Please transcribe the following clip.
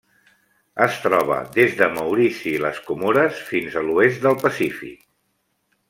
Es troba des de Maurici i les Comores fins a l'oest del Pacífic.